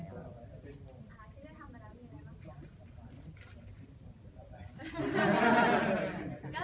ที่ได้ทำมาแล้วมีอะไรบ้างคะ